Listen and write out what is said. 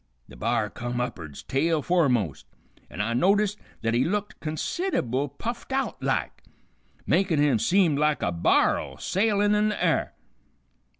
The b'ar come up'ards tail foremost, an' I noticed th't he looked consid'able puffed out like, makin' him seem lik' a bar'l sailin' in the air.